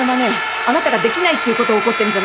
あなたができないっていうことを怒ってるんじゃないの。